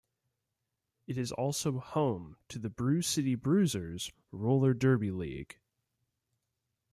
It is also home to the Brewcity Bruisers roller derby league.